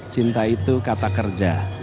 cinta itu kata kerja